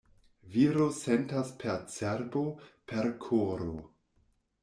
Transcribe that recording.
Viro sentas per cerbo, per koro.